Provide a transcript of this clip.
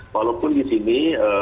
walaupun di sini